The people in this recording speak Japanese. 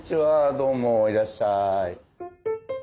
どうもいらっしゃい。